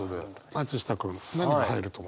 松下君何が入ると思いますか？